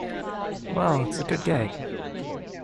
Well, it's a good gag.